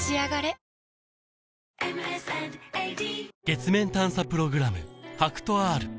月面探査プログラム